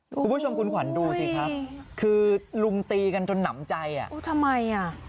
คุณผู้ชมคุณขวัญดูสิครับคือลุมตีกันจนหนำใจอ่ะโอ้ทำไมอ่ะ